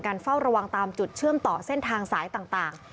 เฝ้าระวังตามจุดเชื่อมต่อเส้นทางสายต่าง